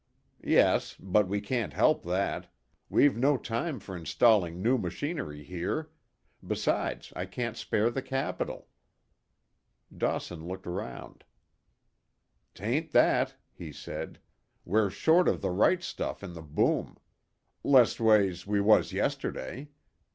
"Yes. But we can't help that. We've no time for installing new machinery here. Besides, I can't spare the capital." Dawson looked round. "'Tain't that," he said. "We're short of the right stuff in the boom. Lestways, we was yesterday.